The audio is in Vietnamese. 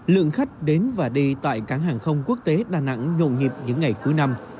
lượng khách đến và đi tại cảng hàng không quốc tế đà nẵng nhộn nhịp những ngày cuối năm